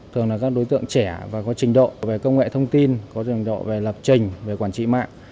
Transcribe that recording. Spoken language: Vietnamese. thường là các đối tượng trẻ và có trình độ về công nghệ thông tin có trình độ về lập trình về quản trị mạng